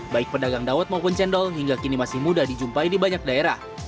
baik pedagang dawet maupun cendol hingga kini masih mudah dijumpai di banyak daerah